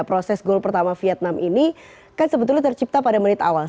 proses gol pertama vietnam ini kan sebetulnya tercipta pada menit awal